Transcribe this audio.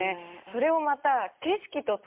それをまた景色と捉える。